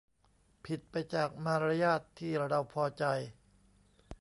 ผิดไปจากมารยาทที่เราพอใจ